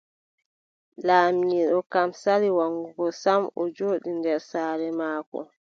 Laamiiɗo kam sali waggugo sam, o jooɗi nder saare maako.